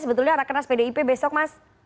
sebetulnya rakenas pdip besok mas